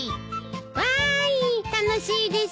わい楽しいです。